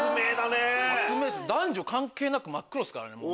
男女関係なく真っ黒ですからね。